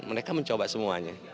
mereka mencoba semuanya